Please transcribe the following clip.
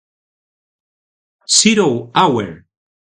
Zero Hour!